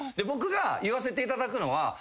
僕が言わせていただくのは。